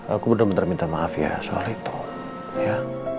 aku benar benar minta maaf ya soal itu ya